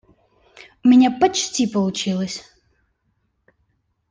У меня почти получилось.